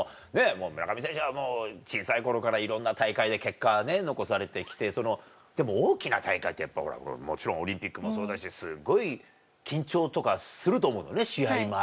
村上選手はもう小さい頃からいろんな大会で結果ね残されて来て。でも大きな大会ってやっぱほらもちろんオリンピックもそうだしすっごい緊張とかすると思うのね試合前。